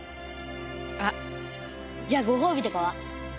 あっじゃあごほうびとかは？